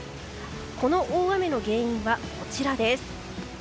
この大雨の原因はこちらです。